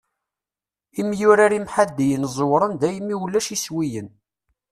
Imyurar imḥaddiyen ẓewren daymi i ulac iswiyen.